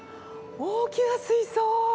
大きな水槽！